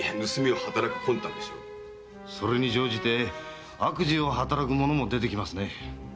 それに乗じて悪事を働く者も出てきますね。